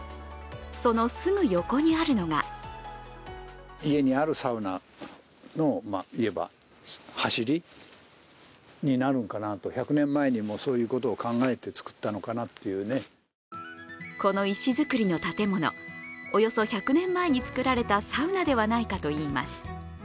そのすぐ横にあるのがこの石造りの建物、およそ１００年前に造られたサウナではないかといいます。